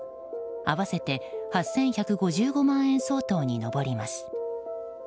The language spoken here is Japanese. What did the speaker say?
合わせて８１５５万円相当に上ります。